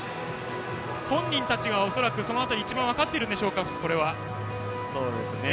本人たちは恐らくその辺りを一番分かっているでしょうか。